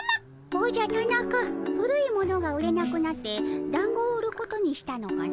おじゃタナカ古いものが売れなくなってだんごを売ることにしたのかの？